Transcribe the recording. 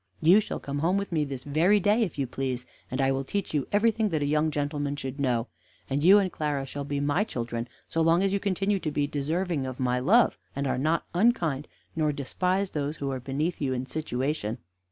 You shall come home with me this very day, if you please, and I will teach you everything that a young gentleman should know, and you and Clara shall be my children so long as you continue to be deserving of my love, and are not unkind, nor despise those who are beneath you in situation."